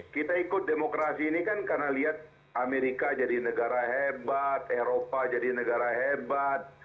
kita ikut demokrasi ini kan karena lihat amerika jadi negara hebat eropa jadi negara hebat